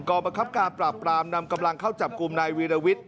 ประคับการปราบปรามนำกำลังเข้าจับกลุ่มนายวีรวิทย์